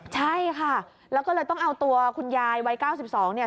ใช่ค่ะแล้วก็เลยต้องเอาตัวคุณยายวัย๙๒เนี่ย